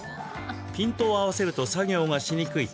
ピントを合わせると作業がしにくい。